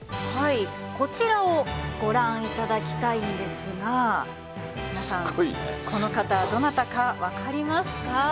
こちらをご覧いただきたいんですが皆さん、この方どなたか分かりますか？